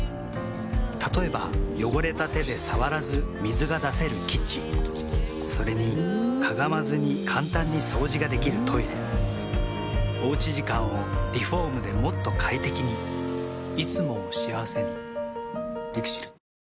例えば汚れた手で触らず水が出せるキッチンそれにかがまずに簡単に掃除ができるトイレおうち時間をリフォームでもっと快適にいつもを幸せにＬＩＸＩＬ。